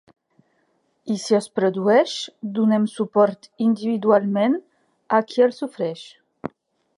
I si es produeix, donem suport individualment a qui el sofreix.